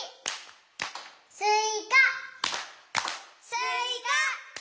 「すいか」。